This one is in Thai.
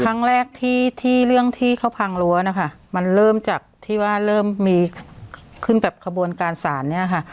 ครั้งแรกที่ที่เรื่องที่เขาพังรั้วนะคะมันเริ่มจากที่ว่าเริ่มมีขึ้นแบบขบวนการศาลเนี่ยค่ะ